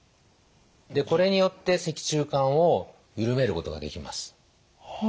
でこれによって脊柱管をゆるめることができます。